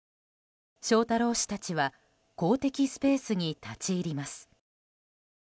翔太郎氏たちは公的スペースに立ち入ります。